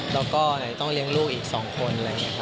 และก็ต้องเลี้ยงลูกอีกสองคน